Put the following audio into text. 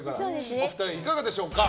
お二人、いかがでしょうか？